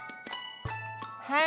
はい。